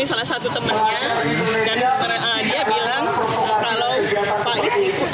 salah satu temannya dan dia bilang kalau bapak is ikut